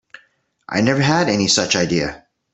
I never had any such idea.